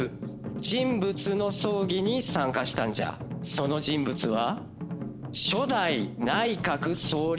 その人物は。